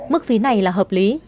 mức phí này là hợp lý